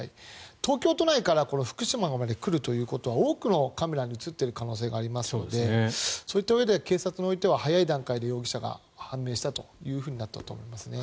東京都内から福島まで来るということは多くのカメラに映っている可能性がありますのでそういったうえで警察においては早い段階で容疑者が判明したということだと思います。